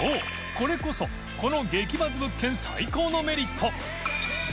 これこそこの激バズ物件最高のメリット磴